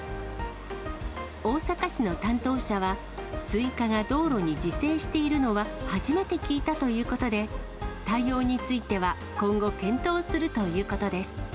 大阪市の担当者は、スイカが道路に自生しているのは初めて聞いたということで、対応については今後検討するということです。